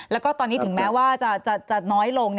แล้วก็ตอนนี้ถึงแม้ว่าจะน้อยลง